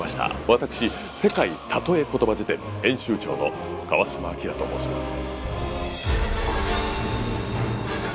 私「世界たとえコトバ辞典」編集長の川島明と申します。